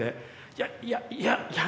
いやいやいやいや